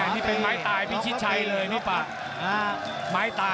นี่เป็นไม้ตายพี่ชิชชัยเลยนี่ป่า